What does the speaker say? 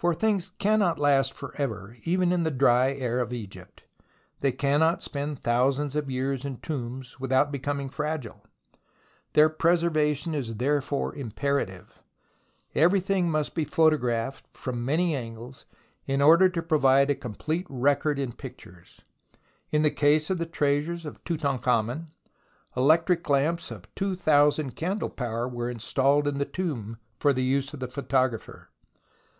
For things cannot last for ever, even in the dry air of Egypt. They cannot spend thousands of years in tombs without becoming fragile. Their preservation is therefore imperative. Everything must be photographed from many angles, in order to provide a complete record in pictures. In the case of the treasures of Tutankhamen, electric lamps of 2000 candle power were installed in the tomb, for the use of the photographer.